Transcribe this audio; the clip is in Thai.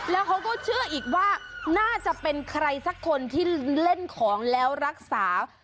แล้วเขาก็เชื่ออีกว่าน่าจะเป็นใครสักคนที่เล่นของแล้วรักษา